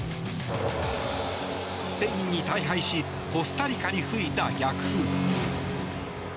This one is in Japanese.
スペインに大敗しコスタリカに吹いた逆風。